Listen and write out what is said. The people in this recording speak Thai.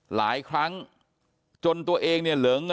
หลายครั้งจนตัวเองเนี่ยเหลิง